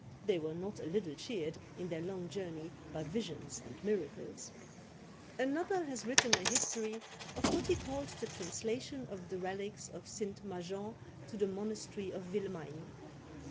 They were not a little cheered in their long journey by visions and miracles. Another has written a history of what he calls the translation of the relics of St. Majean to the monastery of Villemagne.